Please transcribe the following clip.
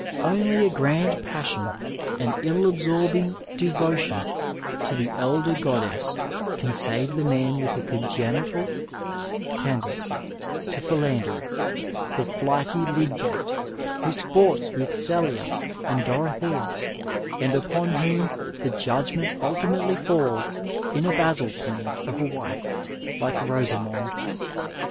Only a grand passion, an ill absorbing devotion to the elder goddess can save the man with a congenital ten dency to philandering, the flighty Lydgate who sports with Gelia and Dorothea, and upon whom the judgment ulti mately falls in a basil plant of a wife like Rosamond.